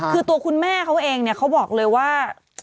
คือตัวคุณแม่เขาเองเนี่ยเขาบอกเลยว่า